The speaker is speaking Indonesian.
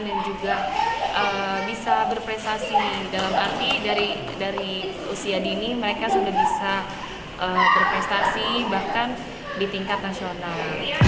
juga bisa berprestasi dalam arti dari usia dini mereka sudah bisa berprestasi bahkan di tingkat nasional